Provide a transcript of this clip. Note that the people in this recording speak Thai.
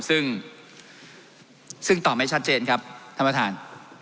ซึ่งซึ่งตอบไม่ชัดเจนครับท่านประธาน